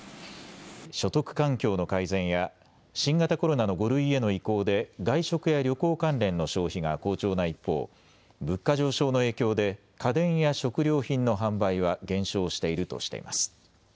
所得環境の改善や新型コロナの５類への移行で外食や旅行関連の消費が好調な一方、物価上昇の影響で家電や食料品の販売は減少しているとしています。